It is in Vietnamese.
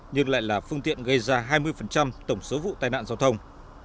nhưng lại là phương tiện gây ra hai mươi tổng số vụ tai nạn giao thông